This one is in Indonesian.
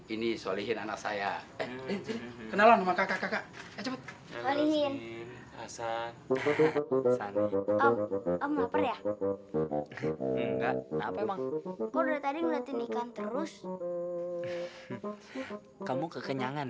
enggak saya yang kekenyangan